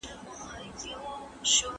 تاسو د غزل بڼ کوم بیتونه ډېر خوښوئ؟